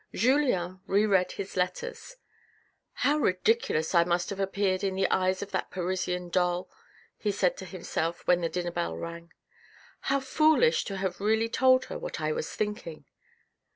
Julien reread his letters. " How ridiculous I must have appeared in the eyes of that Parisian doll," he said to himself when the dinner bell rang. " How foolish to have really told her what I was thinking